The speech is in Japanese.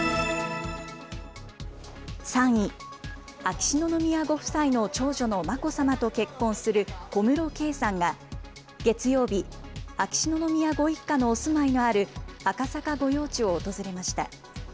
３位、秋篠宮ご夫妻の長女の眞子さまと結婚する小室圭さんが、月曜日、秋篠宮ご一家のお住まいのある赤坂御用地を訪れました。